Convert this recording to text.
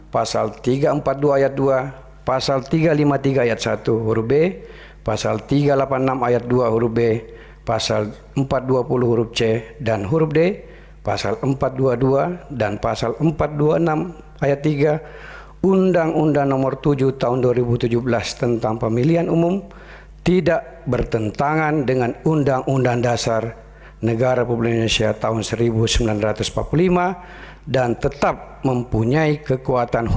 pemerintah menilai bahwa sistem proporsional terbuka merupakan sistem pemilu terbaik untuk diterapkan di indonesia